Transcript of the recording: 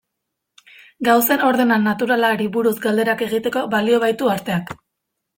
Gauzen ordena naturalari buruz galderak egiteko balio baitu arteak.